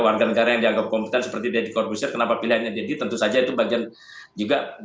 warga negara yang dianggap kompeten seperti deddy corbusir kenapa pilihannya jadi tentu saja itu bagian juga